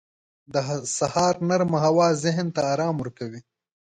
• د سهار نرمه هوا ذهن ته آرام ورکوي.